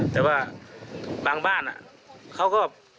แต่ว่าบางบ้านเขาก็